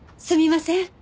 すみません